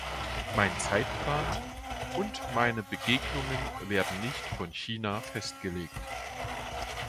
Mein Zeitplan und meine Begegnungen werden nicht von China festgelegt.